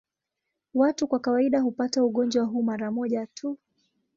Watu kwa kawaida hupata ugonjwa huu mara moja tu.